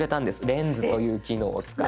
レンズという機能を使って。